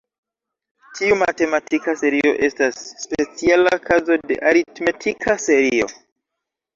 Tiu matematika serio estas speciala kazo de "aritmetika serio".